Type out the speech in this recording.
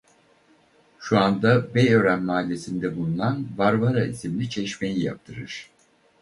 Şu anda Beyören mahallesinde bulunan Varvara isimli çeşmeyi yaptırır.